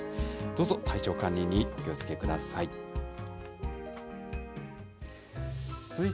どうぞ、体調管理にお気をつけください。